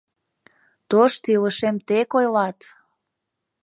Тошто илышым тек ойлат!